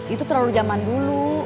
itu terlalu zaman dulu